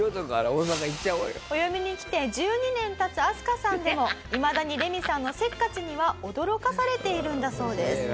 お嫁に来て１２年経つ明日香さんでもいまだにレミさんのせっかちには驚かされているんだそうです。